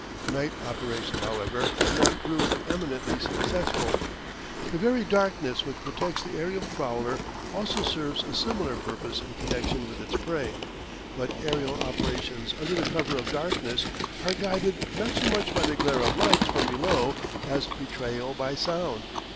Night operations, however, have not proved eminently successful. The very darkness which protects the aerial prowler also serves a similar purpose in connection with its prey. But aerial operations under the cover of darkness are guided not so much by the glare of lights from below as betrayal by sound.